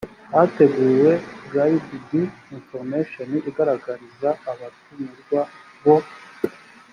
hateguwe guide d information igaragariza abatumirwa bo